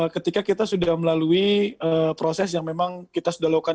ketika kita sudah melalui proses yang memang kita sudah lakukan